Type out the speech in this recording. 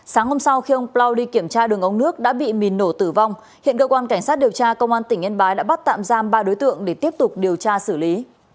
sáng hôm sau khi ông plau đi kiểm tra đường ống nước đã bị mìn nổ tử vong hiện cơ quan cảnh sát điều tra công an tỉnh yên bái đã bắt tạm giam ba đối tượng để tiếp tục điều tra xử lý